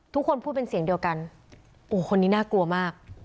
ทุกคนพูดเป็นเสียงเดียวกันโอ้คนนี้น่ากลัวมาก